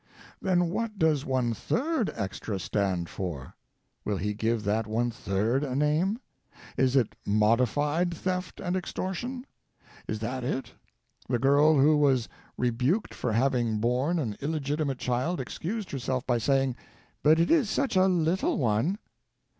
Then what does one third extra stand for ? Will he give that one third a name ? Is it Modified Theft and Extortion ? Is that it? The girl who was rebuked for having borne an illegitimate child, excused herself by saying, "But it is such a little one."